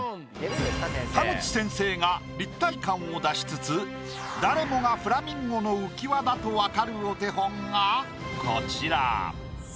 田口先生が立体感を出しつつ誰もがフラミンゴの浮き輪だとわかるお手本がこちら。